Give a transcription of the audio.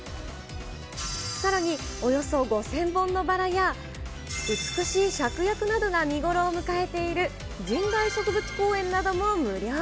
さらにおよそ５０００本のバラや、美しいシャクヤクなどが見頃を迎えている、神代植物公園なども無料。